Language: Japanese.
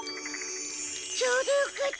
ちょうどよかった。